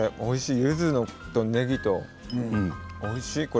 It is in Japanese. ゆずとねぎと、おいしいこれ。